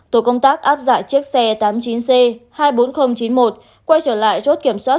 tổ công tác áp giải chiếc xe tám mươi chín c hai mươi bốn nghìn chín mươi một quay trở lại chốt kiểm soát